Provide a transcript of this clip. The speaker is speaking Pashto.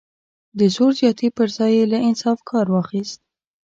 د زور زیاتي پر ځای یې له انصاف کار واخیست.